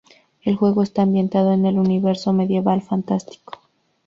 El juego está ambientado en un universo medieval-fantástico.